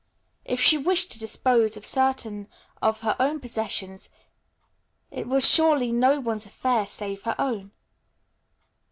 If she wished to dispose of certain of her own possessions it was surely no one's affair save her own.